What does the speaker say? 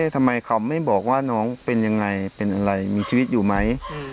ทำไมเขาไม่บอกว่าน้องเป็นยังไงเป็นอะไรมีชีวิตอยู่ไหม